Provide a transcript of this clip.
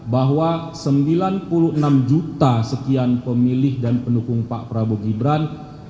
bahwa sembilan puluh enam juta sekian pemilih dan pendukung pak prabowo gibran